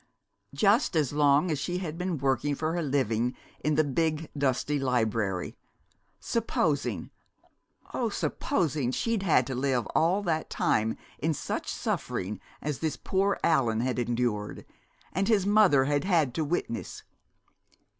Just as long as she had been working for her living in the big, dusty library. Supposing oh, supposing she'd had to live all that time in such suffering as this poor Allan had endured and his mother had had to witness!